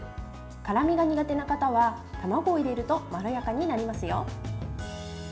辛みが苦手な方は卵を入れるとまろやかになりますよ。